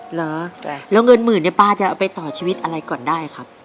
เหรอแล้วเงินหมื่นเนี่ยป้าจะเอาไปต่อชีวิตอะไรก่อนได้ครับ